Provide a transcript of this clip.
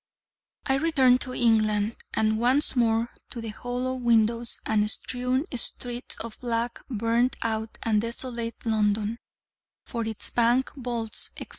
I returned to England, and, once more, to the hollow windows and strewn streets of black, burned out and desolate London: for its bank vaults, etc.